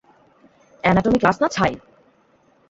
Anatomy class না ছাই!